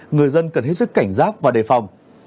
người dân cần hết sức cảnh giác và đề phòng